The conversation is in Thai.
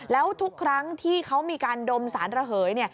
แล้วทุกครั้งที่เขามีการดมสารระเหย